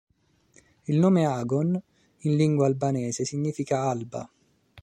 Il nome "agon" in lingua albanese significa "alba".